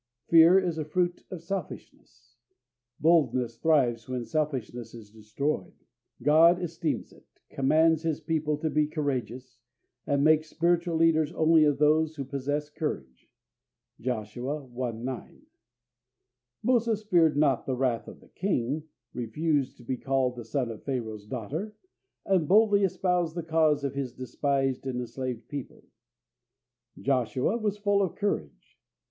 Fear is a fruit of selfishness. Boldness thrives when selfishness is destroyed. God esteems it, commands His people to be courageous, and makes spiritual leaders only of those who possess courage (Joshua i. 9). Moses feared not the wrath of the king, refused to be called the son of Pharaoh's daughter, and boldly espoused the cause of his despised and enslaved people. Joshua was full of courage.